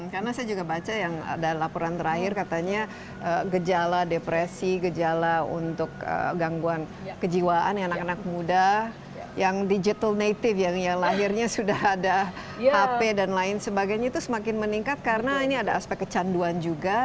karena saya juga baca yang ada laporan terakhir katanya gejala depresi gejala untuk gangguan kejiwaan anak anak muda yang digital native yang lahirnya sudah ada hp dan lain sebagainya itu semakin meningkat karena ini ada aspek kecanduan juga